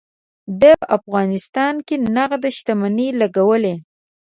ده په افغانستان کې نغده شتمني لګولې.